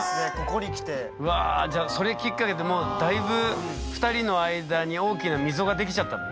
じゃあそれきっかけでだいぶ２人の間に大きな溝ができちゃったの？